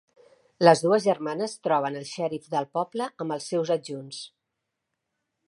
Les dues germanes troben el xèrif del poble amb els seus adjunts.